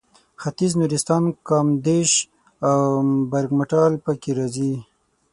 ختیځ نورستان کامدېش او برګمټال پکې راځي.